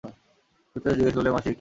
সুচরিতা জিজ্ঞাসা করিল, মাসি, এ কী?